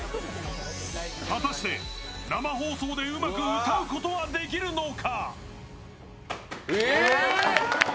果たして生放送でうまく歌うことはできるのか？